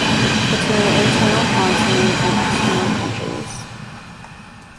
Between internal continent and external countries.